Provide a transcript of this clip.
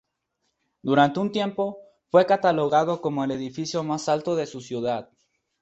Durante un tiempo fue catalogado como el edificio más alto de su ciudad.